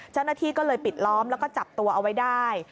เจ้าหน้าที่ก็เลยปิดล้อมแล้วก็จับตัวเอาไว้ได้